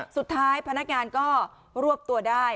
สุดท้ายพนักงานก็รวบตัวได้